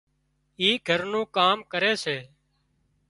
اِي گھر نُون ڪام ڪري سي